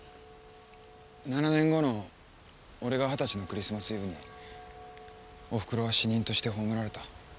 ７年後の俺が二十歳のクリスマスイブにおふくろは死人として葬られた。